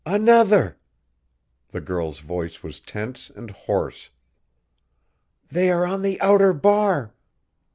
"Another!" the girlish voice was tense and hoarse. "They are on the outer bar.